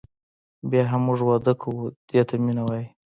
بیا هم موږ واده کوو دې ته مینه وایي.